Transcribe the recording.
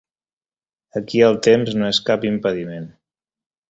Aquí el temps no és cap impediment.